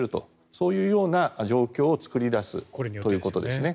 そういう状況を作り出すということですね。